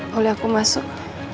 boleh aku masuk